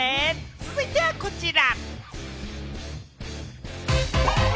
続いてはこちら。